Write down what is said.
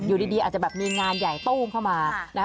อยู่ดีอาจจะแบบมีงานใหญ่ตู้มเข้ามา